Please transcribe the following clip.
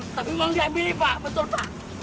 tapi emang diambil ini pak betul pak